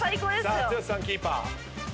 さあ剛さんキーパー。